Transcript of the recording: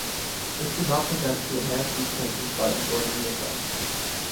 This did not prevent to enhance these paintings by embroidery effects.